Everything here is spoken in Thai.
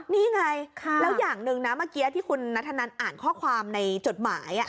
นี่ไงแล้วอย่างหนึ่งนะเมื่อกี้ที่คุณนัทธนันอ่านข้อความในจดหมาย